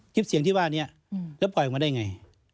คลิปเสียงที่ว่านี้แล้วปล่อยออกมาได้ไง